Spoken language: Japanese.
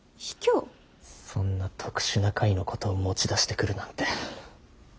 そんな特殊な回のことを持ち出してくるなんて。